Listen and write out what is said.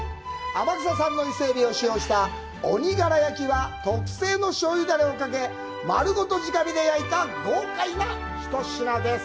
天草産のイセエビを使用した鬼殻焼は特製の醤油ダレをかけ丸ごと直火で焼いた豪快な一品です。